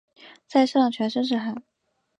在车上全身是汗